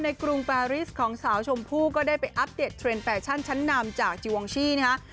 กรุงแปริสของสาวชมพู่ก็ได้ไปอัปเดตเทรนด์แฟชั่นชั้นนำจากจิวองชี่นะคะ